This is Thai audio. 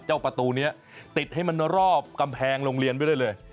ประตูนี้ติดให้มันรอบกำแพงโรงเรียนไว้ได้เลย